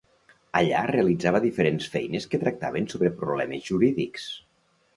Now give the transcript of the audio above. Allà realitzava diferents feines que tractaven sobre problemes jurídics.